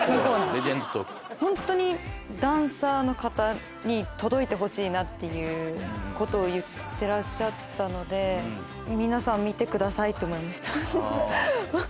ホントにダンサーの方に届いてほしいなっていうことを言ってらっしゃったので皆さん見てくださいって思いました。